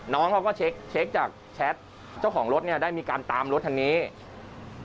น้องเขาก็เช็คเช็คจากแชทเจ้าของรถเนี่ยได้มีการตามรถคันนี้